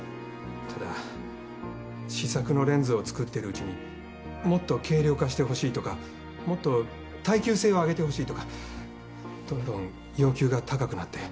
ただ試作のレンズを作ってるうちにもっと軽量化してほしいとかもっと耐久性を上げてほしいとかどんどん要求が高くなって。